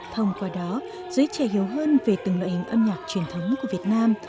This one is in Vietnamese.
thông qua đó giới trẻ hiểu hơn về từng loại hình âm nhạc truyền thống của việt nam